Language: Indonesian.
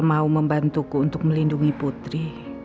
mau membantuku untuk melindungi putri